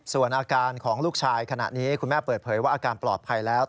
ส่วนอาการของลูกชายขณะนี้คุณแม่เปิดเผยว่าอาการปลอดภัยแล้ว